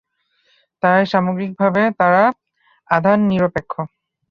তাই সামগ্রিক ভাবে তারা আধান নিরপেক্ষ।